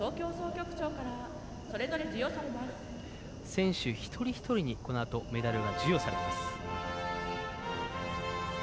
選手一人一人にこのあとメダルが授与されます。